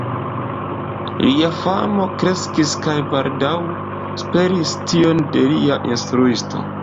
Lia famo kreskis kaj baldaŭ superis tion de lia instruisto.